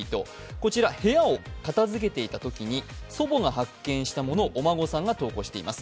こちら部屋を片づけていたときに祖母が発見したものをお孫さんが投稿しています。